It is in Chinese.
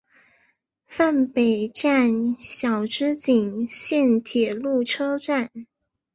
坂北站筱之井线铁路车站。